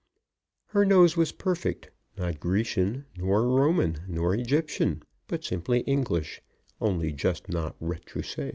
Her nose was perfect; not Grecian, nor Roman, nor Egyptian, but simply English, only just not retroussé.